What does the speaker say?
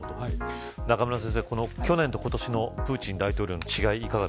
中村先生、去年と今年のプーチン大統領の違い